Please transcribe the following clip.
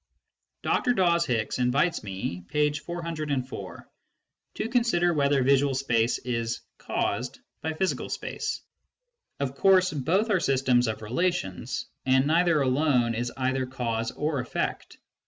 Dr. Dawes Hicks invites me (p. 404) to consider whether visual space is "caused " by physical space. Of course both are systems of relations, and neither alone is either cause or effect.